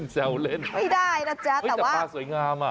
แซวเล่นไม่ได้นะจ๊ะแต่ว่าตาสวยงามอ่ะ